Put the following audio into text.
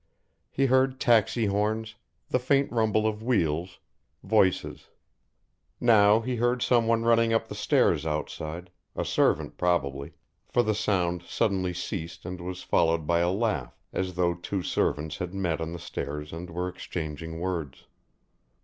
He heard taxi horns, the faint rumble of wheels, voices. Now he heard someone running up the stairs outside, a servant probably, for the sound suddenly ceased and was followed by a laugh as though two servants had met on the stairs and were exchanging words.